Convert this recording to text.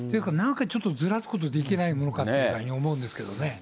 なんかちょっとずらすことができないものかと思うんですけどもね。